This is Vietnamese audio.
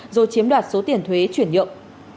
rồi chiếm đoạt số tiền thuế chuyển nhượng